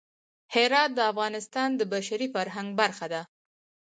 هرات د افغانستان د بشري فرهنګ برخه ده.